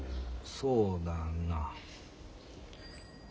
そうだな。